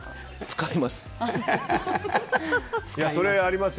使います。